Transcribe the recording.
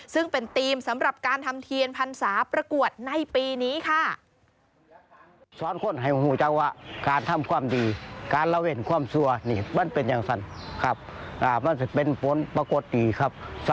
ซึ่งเป็นธีมสำหรับการทำเทียนพรรษาประกวดในปีนี้ค่ะ